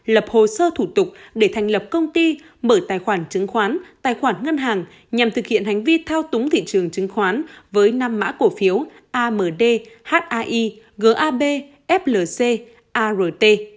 lập hồ sơ thủ tục để thành lập công ty mở tài khoản chứng khoán tài khoản ngân hàng nhằm thực hiện hành vi thao túng thị trường chứng khoán với năm mã cổ phiếu amd hai gab flc art